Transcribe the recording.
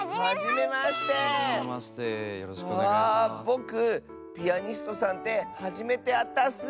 ぼくピアニストさんってはじめてあったッス。